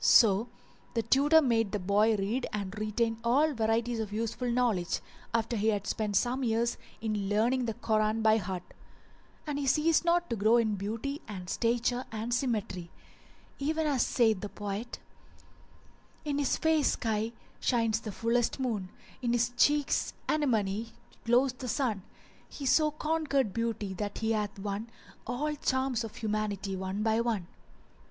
So the tutor made the boy read and retain all varieties of useful knowledge, after he had spent some years in learning the Koran by heart; [FN#387] and he ceased not to grow in beauty and stature and symmetry, even as saith the poet:— In his face sky shines the fullest moon; * In his cheeks' anemone glows the sun: He so conquered Beauty that he hath won * All charms of humanity one by one.